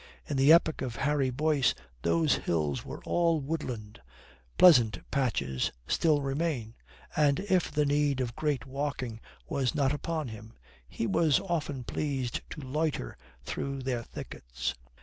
In the epoch of Harry Boyce those hills were all woodland pleasant patches still remain, and if the need of great walking was not upon him he was often pleased to loiter through their thickets.